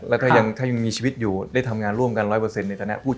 และถ้ายังชีวิตอยู่ได้ทำงานร่วมกันร้อยเปอร์เซ็นต์ในธนาคม